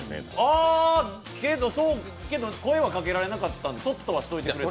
あ、けど、声はかけられなかった、そっとはしてくれてた。